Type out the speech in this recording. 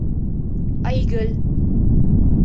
Айгөл.